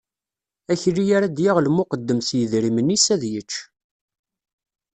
Akli ara d-yaɣ lmuqeddem s yedrimen-is, ad yečč.